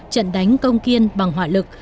trận đánh công kiên bằng hỏa lực